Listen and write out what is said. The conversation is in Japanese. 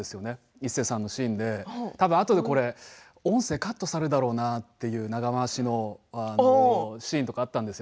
イッセーさんのシーンでたぶん、あとでこれ音声カットされるだろうなっていう長回しのシーンとかあったんですよ。